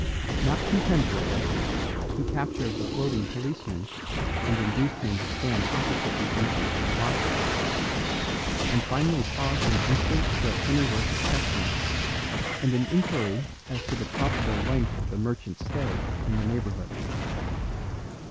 Not content with this, he captured the floating policeman and induced him to stand opposite the entrance and watch it; and finally paused an instant for a pennyworth of chestnuts, and an inquiry as to the probable length of the merchant's stay in the neighbourhood.